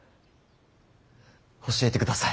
教えてください。